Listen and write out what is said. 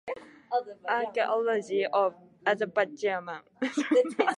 Archaeology of Azerbaijan